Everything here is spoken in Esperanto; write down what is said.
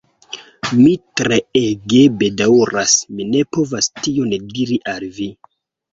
Mi treege bedaŭras, mi ne povas tion diri al vi.